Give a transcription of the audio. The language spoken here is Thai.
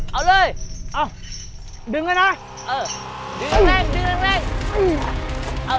เอาเลยเอาดึงเลยนะเออดึงเร็วเร็วดึงเร็วเร็ว